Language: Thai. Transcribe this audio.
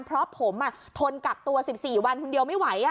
เพราะผมทนกักตัว๑๔วันคนเดียวไม่ไหว